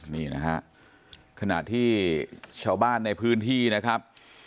นี่นะฮะขณะที่ชาวบ้านในพื้นที่นะครับ